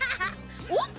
おっ？